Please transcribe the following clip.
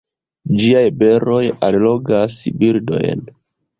Ĝiaj beroj allogas birdojn.